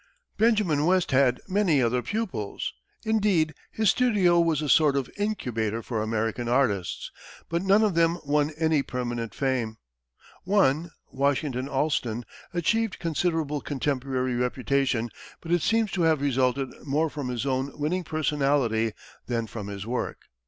Benjamin West had many other pupils indeed, his studio was a sort of incubator for American artists but none of them won any permanent fame. One, Washington Allston, achieved considerable contemporary reputation, but it seems to have resulted more from his own winning personality than from his work.